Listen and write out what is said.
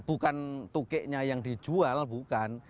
bukan tukiknya yang dijual bukan